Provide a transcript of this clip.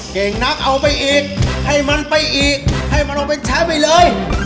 เก่งนักเอาไปอีกให้มันไปอีกให้มันเอาไปใช้ไปเลย